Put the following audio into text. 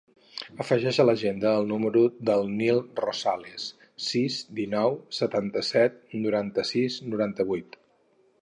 Afegeix a l'agenda el número del Nil Rosales: sis, dinou, setanta-set, noranta-sis, noranta-vuit.